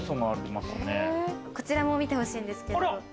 こちらも見て欲しいんですけど。